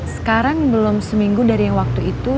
sekarang belum seminggu dari yang waktu itu